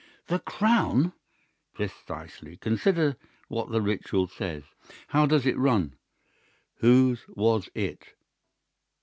"'The crown!' "'Precisely. Consider what the Ritual says: How does it run? "Whose was it?"